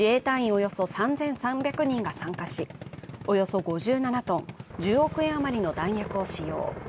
およそ３３００人が参加し、およそ５７ｔ、１０億円余りの弾薬を使用。